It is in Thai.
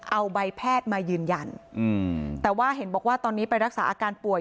เอาใบแพทย์มายืนยันแต่ว่าเห็นบอกว่าตอนนี้ไปรักษาอาการป่วย